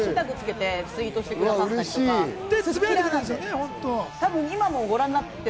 ＃をつけてツイートしてくださってる。